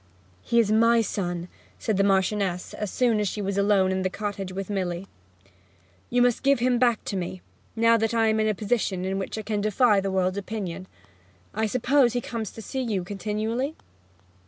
'He is my son,' said the Marchioness, as soon as she was alone in the cottage with Milly. 'You must give him back to me, now that I am in a position in which I can defy the world's opinion. I suppose he comes to see you continually?'